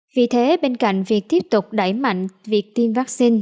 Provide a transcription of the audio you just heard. vì thế bên cạnh việc tiếp tục đẩy mạnh việc tiêm vaccine